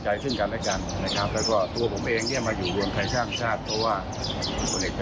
ท่านเปลยไหมคะว่าถ้ารวมไทยไม่ได้เป็นรัฐบาล